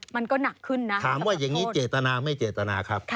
มันก็หนักขึ้นนะถามว่าอย่างนี้เจตนาไม่เจตนาครับ